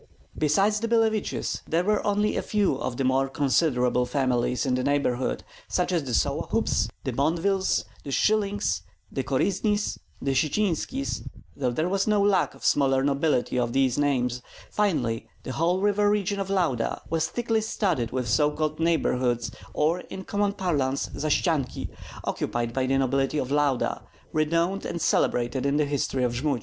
Besides the Billeviches there were only a few of the more considerable families in the neighborhood, such as the Sollohubs, the Montvills, the Schyllings, the Koryznis, the Sitsinskis, though there was no lack of smaller nobility of these names; finally, the whole river region of Lauda was thickly studded with so called "neighborhoods," or, in common parlance, zastsianki, occupied by the nobility of Lauda, renowned and celebrated in the history of Jmud.